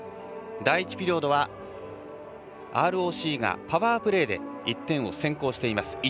第１ピリオドはＲＯＣがパワープレーで１点を先行しています。